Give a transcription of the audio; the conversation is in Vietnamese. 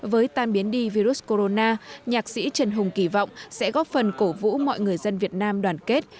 với tan biến đi virus corona nhạc sĩ trần hùng kỳ vọng sẽ góp phần cổ vũ mọi người dân việt nam đoàn kết